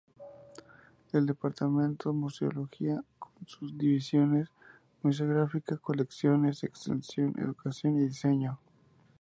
El Departamento Museología con sus divisiones: Museografía, Colecciones, Extensión, Educación y Diseño.